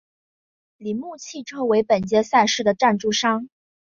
铃木汽车为本届赛事的赞助商。